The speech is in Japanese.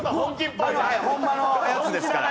ホンマのやつですから。